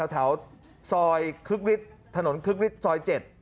แถวซอยคึกฤทธิ์ถนนคึกฤทธิ์ซอย๗